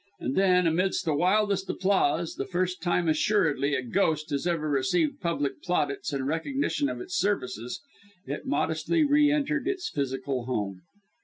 And then, amidst the wildest applause the first time assuredly "a ghost" has ever received public plaudits in recognition of its services it modestly re entered its physical home.